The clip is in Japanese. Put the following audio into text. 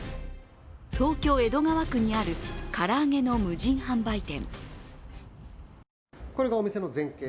東京・江戸川区にある唐揚げの無人販売店。